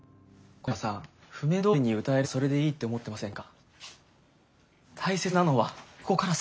・古山さん譜面どおりに歌えればそれでいいって思ってませんか？